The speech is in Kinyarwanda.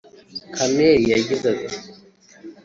Kamel yagize ati